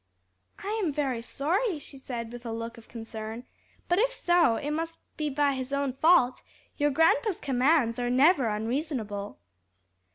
"I am very sorry," she said with a look of concern, "but if so it must be by his own fault; your grandpa's commands are never unreasonable."